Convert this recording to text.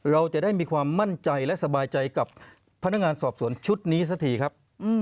เราจะได้มีความมั่นใจและสบายใจกับพนักงานสอบสวนชุดนี้สักทีครับ